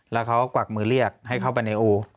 แล้วเขากวักมือเรียกให้เข้าไปในอู